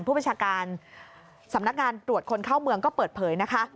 ผู้บัญชาการสำนักงานตรวจคนเข้าเมืองก็เปิดเผยนะคะ